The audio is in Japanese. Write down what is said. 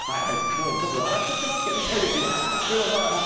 僕、笑っちゃっていますけどね。